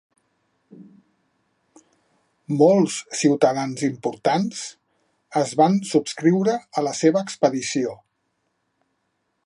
Molts ciutadans importants es van subscriure a la seva expedició.